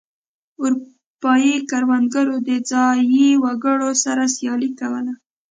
اروپايي کروندګرو د ځايي وګړو سره سیالي کوله.